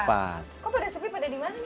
kok pada sepi pada dimana nih